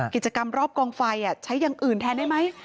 กิจกรรมรอบกองไฟใช้อย่างอื่นแทนได้ไหม